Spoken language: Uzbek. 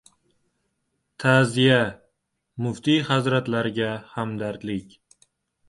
Ta’ziya: muftiy hazratlariga hamdardlik